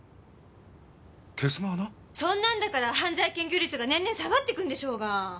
そんなんだから犯罪検挙率が年々下がってくんでしょうが！